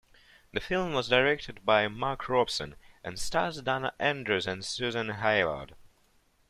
The film was directed by Mark Robson and stars Dana Andrews and Susan Hayward.